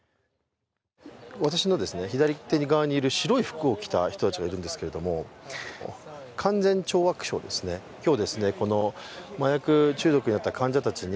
私の左手側にいる白い服を着た人たちがいるんですけど、勧善懲悪省ですね、今日、麻薬中毒だった患者たちに